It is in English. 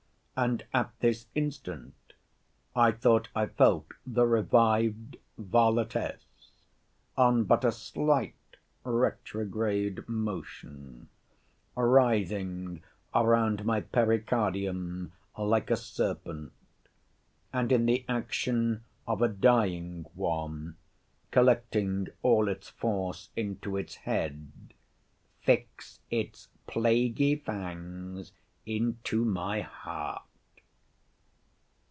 And at this instant I thought I felt the revived varletess (on but a slight retrograde motion) writhing round my pericardium like a serpent; and in the action of a dying one, (collecting all its force into its head,) fix its plaguy fangs into my heart.